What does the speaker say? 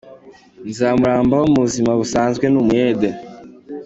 Nzamurambaho mu buzima busanzwe ni umuyede.